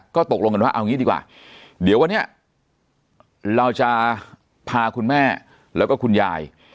ก็ตกลงกันว่าเอางี้ดีกว่าเดี๋ยววันนี้เราจะพาคุณแม่แล้วก็คุณยาย